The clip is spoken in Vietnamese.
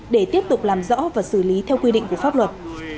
để tiếp tục làm rõ và xử lý theo quy định của pháp luật